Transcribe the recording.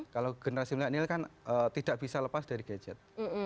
kalau generasi milenial kan tidak bisa lepas dari gadget